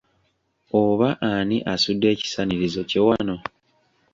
Oba ani asudde ekisanirizo kye wano?